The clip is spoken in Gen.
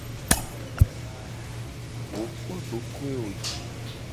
Wo kpo dokoewo ji.